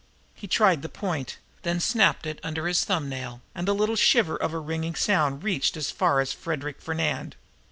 He tried the point, then he snapped it under his thumb nail and a little shiver of a ringing sound reached as far as Frederic Fernand.